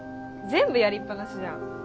全部やりっぱなしじゃん。